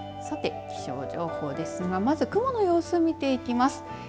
さて、気象の情報ですがまず雲の様子、見ていきます。